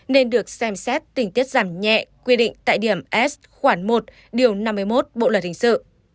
nên được xem xét tình tiết giảm nhẹ quy định tại điểm s khoảng một điều năm mươi một bộ luật hình sự